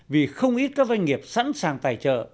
vì không ít các doanh nghiệp sẵn sàng tài trợ